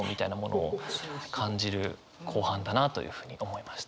後半だなというふうに思いました。